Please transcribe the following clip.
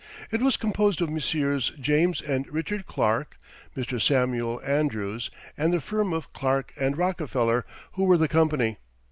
It was composed of Messrs. James and Richard Clark, Mr. Samuel Andrews, and the firm of Clark & Rockefeller, who were the company.